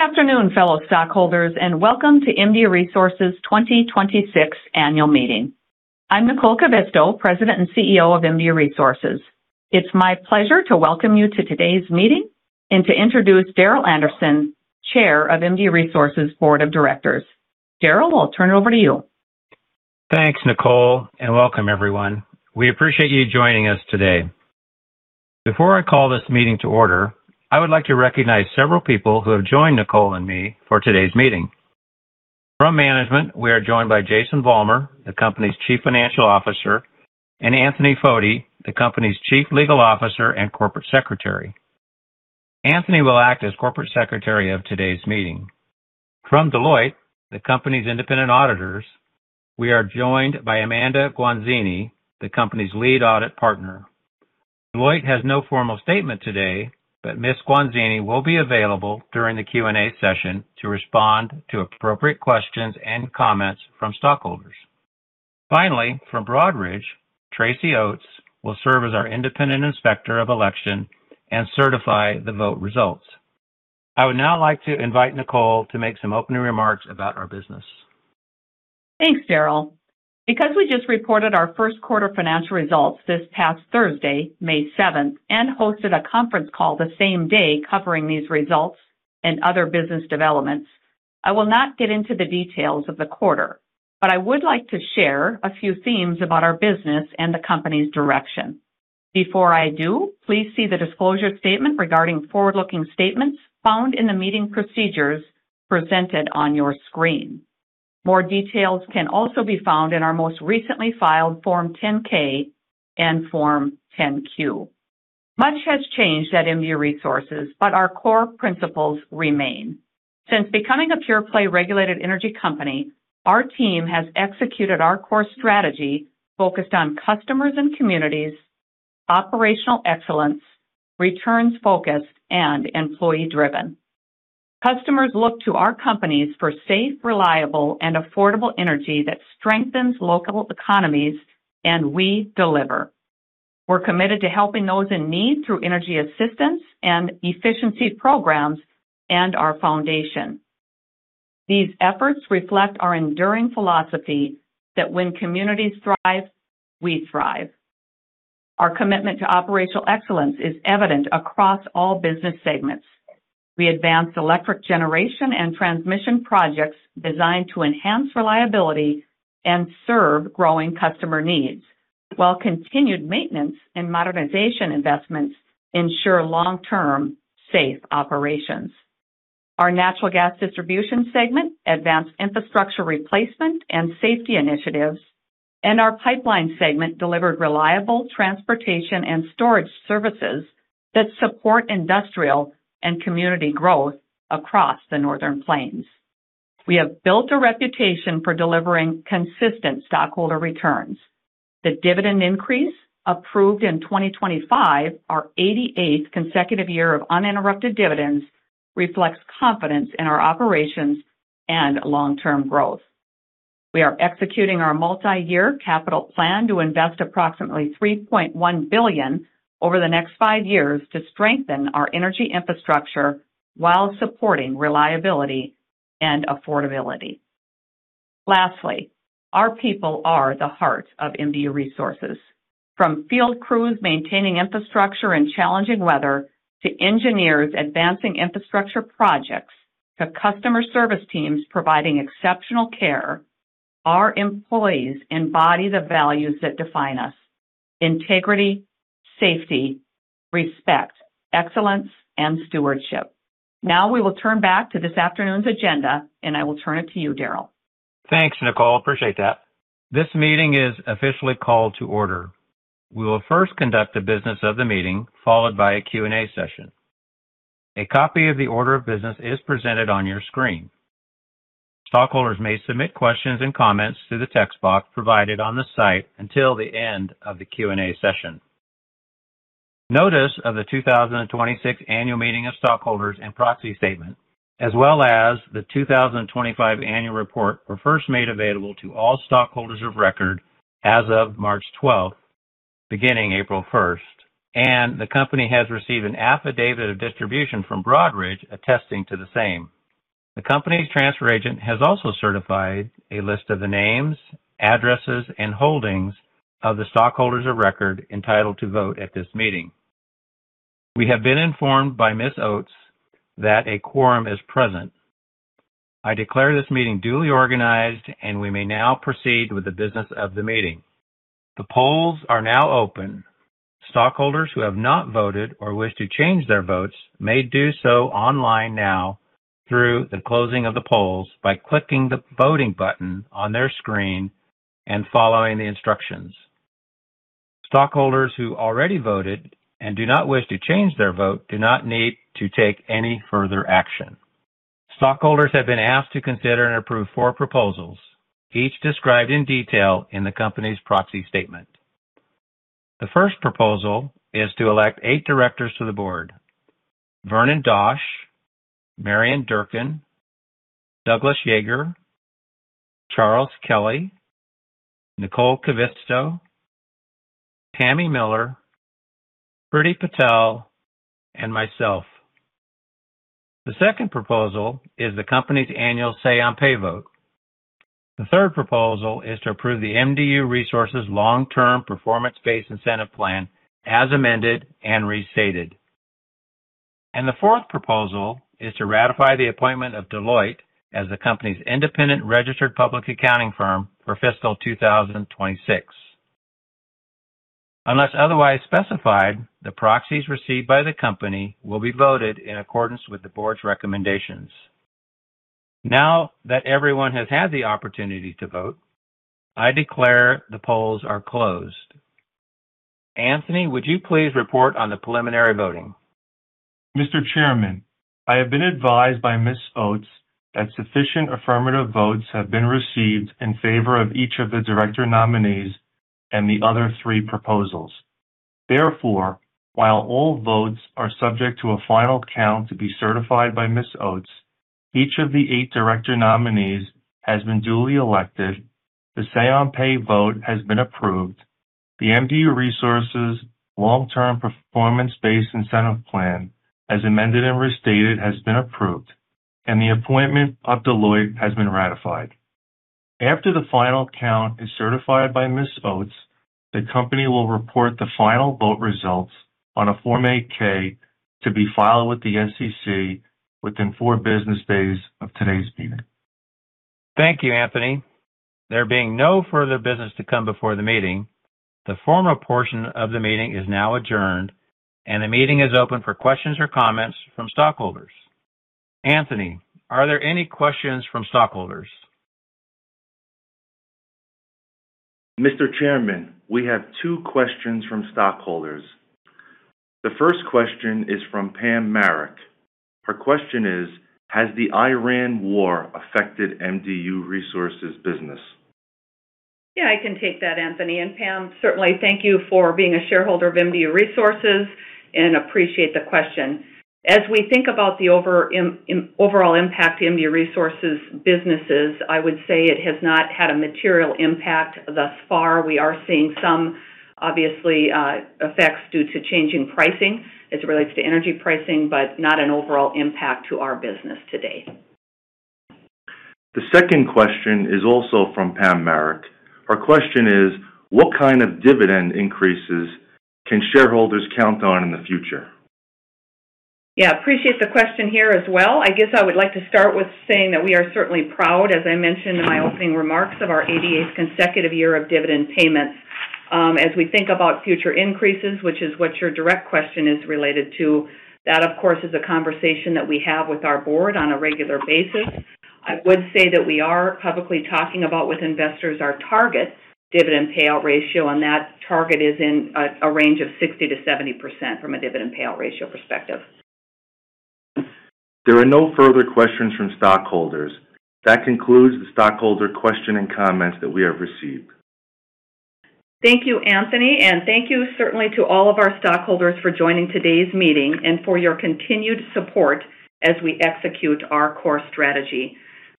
Good afternoon, fellow stockholders. Welcome to MDU Resources 2026 annual meeting. I'm Nicole Kivisto, President and CEO of MDU Resources. It's my pleasure to welcome you to today's meeting and to introduce Darrel T. Anderson, Chair of MDU Resources' Board of Directors. Darrel, I'll turn it over to you. Thanks, Nicole, welcome everyone. We appreciate you joining us today. Before I call this meeting to order, I would like to recognize several people who have joined Nicole and me for today's meeting. From management, we are joined by Jason Vollmer, the company's chief financial officer, and Anthony Foti, the company's chief legal officer and corporate secretary. Anthony will act as Corporate Secretary of today's meeting. From Deloitte, the company's independent auditors, we are joined by Amanda Guanzini, the company's lead audit partner. Deloitte has no formal statement today, but Miss Guanzini will be available during the Q&A session to respond to appropriate questions and comments from stockholders. From Broadridge, Tracy Oats will serve as our independent inspector of election and certify the vote results. I would now like to invite Nicole to make some opening remarks about our business. Thanks, Darrel. Because we just reported our first quarter financial results this past Thursday, May seventh, and hosted a conference call the same day covering these results and other business developments, I will not get into the details of the quarter. I would like to share a few themes about our business and the company's direction. Before I do, please see the disclosure statement regarding forward-looking statements found in the meeting procedures presented on your screen. More details can also be found in our most recently filed Form 10-K and Form 10-Q. Much has changed at MDU Resources, but our core principles remain. Since becoming a pure-play regulated energy company, our team has executed our core strategy focused on customers and communities, operational excellence, returns-focused, and employee-driven. Customers look to our companies for safe, reliable, and affordable energy that strengthens local economies, and we deliver. We're committed to helping those in need through energy assistance and efficiency programs and our foundation. These efforts reflect our enduring philosophy that when communities thrive, we thrive. Our commitment to operational excellence is evident across all business segments. We advance electric generation and transmission projects designed to enhance reliability and serve growing customer needs, while continued maintenance and modernization investments ensure long-term safe operations. Our natural gas distribution segment advanced infrastructure replacement and safety initiatives, and our pipeline segment delivered reliable transportation and storage services that support industrial and community growth across the Northern Plains. We have built a reputation for delivering consistent stockholder returns. The dividend increase approved in 2025, our 88th consecutive year of uninterrupted dividends, reflects confidence in our operations and long-term growth. We are executing our multi-year capital plan to invest approximately $3.1 billion over the next five years to strengthen our energy infrastructure while supporting reliability and affordability. Our people are the heart of MDU Resources. From field crews maintaining infrastructure in challenging weather to engineers advancing infrastructure projects to customer service teams providing exceptional care, our employees embody the values that define us: integrity, safety, respect, excellence, and stewardship. We will turn back to this afternoon's agenda, and I will turn it to you, Darrel. Thanks, Nicole. Appreciate that. This meeting is officially called to order. We will first conduct the business of the meeting, followed by a Q&A session. A copy of the order of business is presented on your screen. Stockholders may submit questions and comments through the text box provided on the site until the end of the Q&A session. Notice of the 2026 Annual Meeting of Stockholders and Proxy Statement, as well as the 2025 Annual Report, were first made available to all stockholders of record as of March 12, beginning April 1st, and the company has received an affidavit of distribution from Broadridge attesting to the same. The company's transfer agent has also certified a list of the names, addresses, and holdings of the stockholders of record entitled to vote at this meeting. We have been informed by Ms. Oats that a quorum is present. I declare this meeting duly organized, and we may now proceed with the business of the meeting. The polls are now open. Stockholders who have not voted or wish to change their votes may do so online now through the closing of the polls by clicking the voting button on their screen and following the instructions. Stockholders who already voted and do not wish to change their vote do not need to take any further action. Stockholders have been asked to consider and approve four proposals, each described in detail in the company's proxy statement. The first proposal is to elect eight directors to the board. Vernon A. Dosch, Marian M. Durkin, Douglas W. Jaeger, Charles M. Kelley, Nicole Kivisto, Tammy J. Miller, Priti R. Patel, and myself. The second proposal is the company's annual Say on Pay vote. The third proposal is to approve the MDU Resources Long-Term Performance-Based Incentive Plan as amended and restated. The fourth proposal is to ratify the appointment of Deloitte as the company's independent registered public accounting firm for fiscal 2026. Unless otherwise specified, the proxies received by the company will be voted in accordance with the board's recommendations. Now that everyone has had the opportunity to vote, I declare the polls are closed. Anthony, would you please report on the preliminary voting? Mr. Chairman, I have been advised by Tracy Oats that sufficient affirmative votes have been received in favor of each of the director nominees and the other three proposals. While all votes are subject to a final count to be certified by Tracy Oats, each of the eight director nominees has been duly elected. The Say-on-Pay vote has been approved. The MDU Resources Long-Term Performance-Based Incentive Plan, as amended and restated, has been approved, and the appointment of Deloitte has been ratified. After the final count is certified by Tracy Oats, the company will report the final vote results on a Form 8-K to be filed with the SEC within four business days of today's meeting. Thank you, Anthony. There being no further business to come before the meeting, the formal portion of the meeting is now adjourned, and the meeting is open for questions or comments from stockholders. Anthony, are there any questions from stockholders? Mr. Chairman, we have two questions from stockholders. The first question is from Pam Merrick. Her question is, has the Iran war affected MDU Resources' business? Yeah, I can take that, Anthony. Pam, certainly thank you for being a shareholder of MDU Resources, and I appreciate the question. As we think about the overall impact to MDU Resources businesses, I would say it has not had a material impact thus far. We are seeing some, obviously, effects due to changing pricing as it relates to energy pricing, not an overall impact to our business today. The second question is also from Pam Merrick. Her question is: What kind of dividend increases can shareholders count on in the future? Yeah, appreciate the question here as well. I guess I would like to start with saying that we are certainly proud, as I mentioned in my opening remarks, of our 88th consecutive year of dividend payments. As we think about future increases, which is what your direct question is related to, that, of course, is a conversation that we have with our board on a regular basis. I would say that we are publicly talking about with investors our target dividend payout ratio, and that target is in a range of 60%-70% from a dividend payout ratio perspective. There are no further questions from stockholders. That concludes the stockholder question and comments that we have received. Thank you, Anthony, thank you certainly to all of our stockholders for joining today's meeting and for your continued support as we execute our core strategy.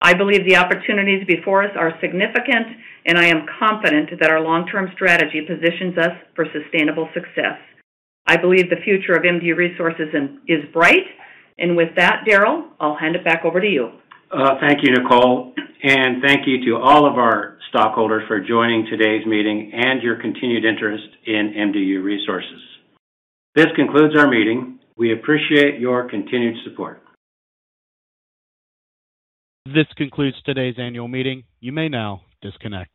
I believe the opportunities before us are significant, and I am confident that our long-term strategy positions us for sustainable success. I believe the future of MDU Resources is bright. With that, Darrel, I'll hand it back over to you. Thank you, Nicole, and thank you to all of our stockholders for joining today's meeting and your continued interest in MDU Resources. This concludes our meeting. We appreciate your continued support. This concludes today's annual meeting. You may now disconnect.